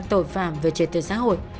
tội phạm về trời tự xã hội